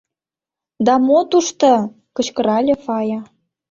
— Да мо тушто! — кычкырале Фая.